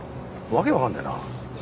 訳わからねえな。